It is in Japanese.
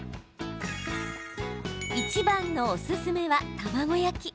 いちばんのおすすめは卵焼き。